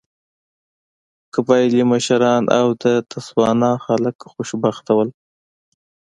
قبایلي مشران او د تسوانا خلک خوشبخته وو.